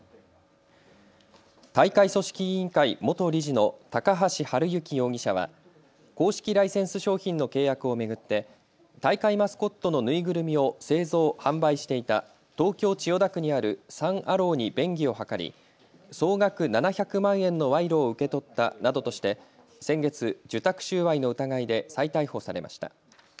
大会組織委員会元理事の高橋治之容疑者は公式ライセンス商品の契約を巡って大会マスコットの縫いぐるみを製造・販売していた東京千代田区にあるサン・アローに便宜を図り総額７００万円の賄賂を受け取ったなどとして先月、受託収賄の疑いで再逮捕されました。